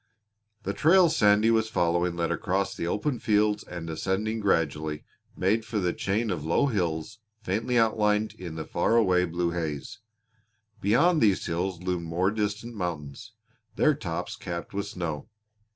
The trail Sandy was following led across the open fields and ascending gradually, made for the chain of low hills faintly outlined in the far away blue haze. Beyond these hills loomed more distant mountains, their tops capped with snow.